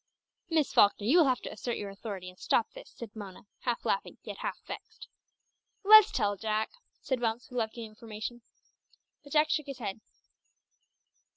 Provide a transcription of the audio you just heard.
"Miss Falkner, you will have to assert your authority and stop this," said Mona, half laughing, yet half vexed. "Let's tell, Jack," said Bumps, who loved giving information. But Jack shook his head.